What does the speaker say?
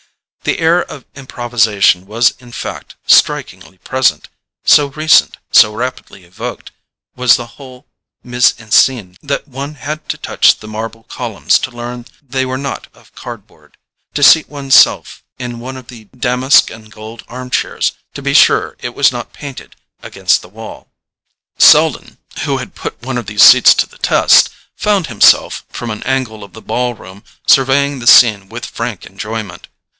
The air of improvisation was in fact strikingly present: so recent, so rapidly evoked was the whole MISE EN SCENE that one had to touch the marble columns to learn they were not of cardboard, to seat one's self in one of the damask and gold arm chairs to be sure it was not painted against the wall. Selden, who had put one of these seats to the test, found himself, from an angle of the ball room, surveying the scene with frank enjoyment.